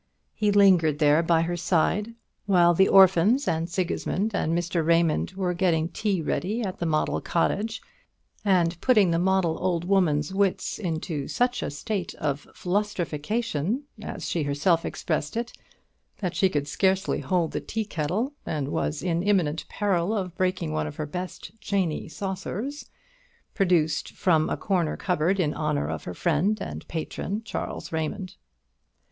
He lingered there by her side while the orphans and Sigismund and Mr. Raymond were getting tea ready at the model cottage, and putting the model old woman's wits into such a state of "flustrification," as she herself expressed it, that she could scarcely hold the tea kettle, and was in imminent peril of breaking one of her best "chaney" saucers, produced from a corner cupboard in honour of her friend and patron, Charles Raymond.